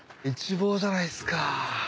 一望じゃないですか。